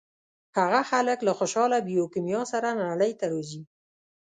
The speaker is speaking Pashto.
هغه خلک له خوشاله بیوکیمیا سره نړۍ ته راځي.